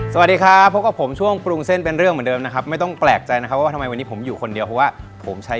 สวัสดีครับพบกับผมช่วงปรุงเส้นเป็นเรื่องเหมือนเดิมนะครับไม่ต้องแปลกใจนะครับว่าทำไมวันนี้ผมอยู่คนเดียวเพราะว่าผมใช้